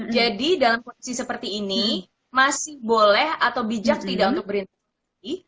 jadi dalam kondisi seperti ini masih boleh atau bijak tidak untuk berinvestasi